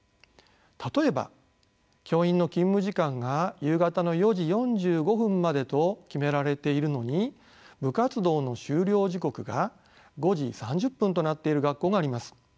例えば教員の勤務時間が夕方の４時４５分までと決められているのに部活動の終了時刻が５時３０分となっている学校があります。